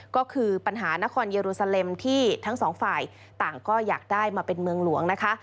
ก็คือปัญหานครเยอรูซาเลมที่ทั้งสองฝ่ายต่างก็อยากได้มาเป็นเมืองหลวงนะคะ